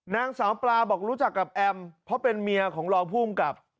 นางสามารคปราบอกรู้จักกักแอ็มเพราะเป็นเมียของร้องครับ